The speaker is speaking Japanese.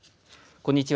こんにちは。